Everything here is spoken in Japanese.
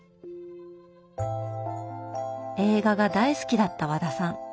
映画が大好きだった和田さん。